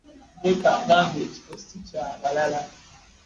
Yekaanga nga ekifo sikyabaala .